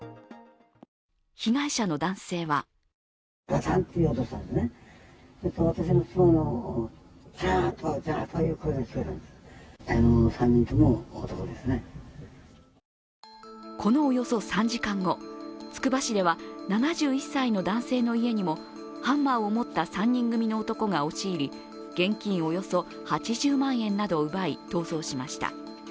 被害者の男性はこのおよそ３時間後、つくば市では７１歳の男性の家にもハンマーを持った３人組の男が押し入り、現金およそ８０万円などを奪い、逃走しました。